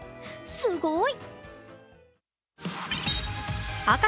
すごい！